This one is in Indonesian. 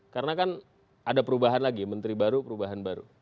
karena kan ada perubahan lagi menteri baru perubahan baru